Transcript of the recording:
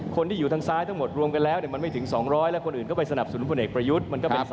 คนที่อยู่ทางซ้ายทั้งหมดรวมกันแล้วมันไม่ถึง๒๐๐แล้วคนอื่นก็ไปสนับสนุนพลเอกประยุทธ์